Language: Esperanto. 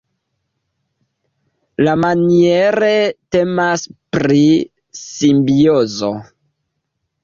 Iamaniere temas pri simbiozo.